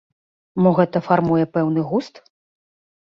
Мо гэта фармуе пэўны густ?